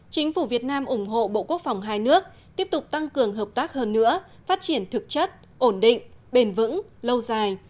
chính phủ việt nam ủng hộ bộ quốc phòng hai nước tiếp tục tăng cường hợp tác hơn nữa phát triển thực chất ổn định bền vững lâu dài